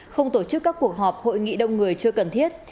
không tổ chức các cuộc họp hội nghị đông người chưa cần thiết